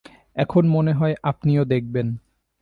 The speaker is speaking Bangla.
এখন মনে হয় আপনিও দেখবেন।